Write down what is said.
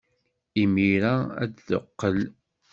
Imir-a ad d-teqqel.